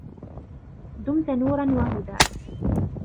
دُمت نوراً وهدى